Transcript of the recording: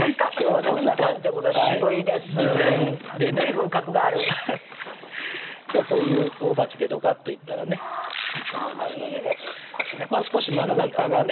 風格がある今日はこういう大鉢でどかっといったらねいいと思いますので少し真ん中がね